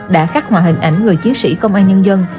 đã khắc họa hình ảnh người chiến sĩ công an nhân dân